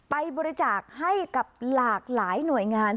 ไปบริจาคให้กับหลากหลายหน่วยงาน